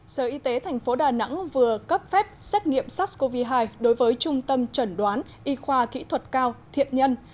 sở y tế tp đà nẵng vừa cấp phép xét nghiệm sars cov hai đối với trung tâm trần đoán y khoa kỹ thuật cao thiện nhân